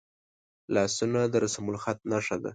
لاسونه د رسمالخط نښه ده